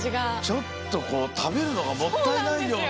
ちょっとこうたべるのがもったいないような。